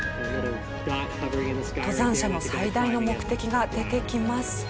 登山者の最大の目的が出てきます。